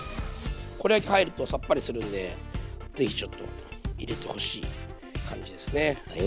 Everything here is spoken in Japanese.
これ入るとサッパリするんで是非ちょっと入れてほしい感じですね。